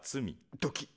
ドキッ。